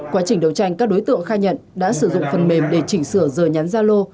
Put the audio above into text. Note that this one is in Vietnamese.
quá trình đấu tranh các đối tượng khai nhận đã sử dụng phần mềm để chỉnh sửa giờ nhắn gia lô